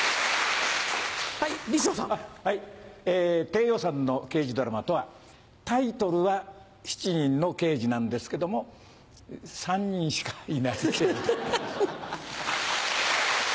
低予算の刑事ドラマとはタイトルは「７人の刑事」なんですけども３人しかいない刑事ドラマ。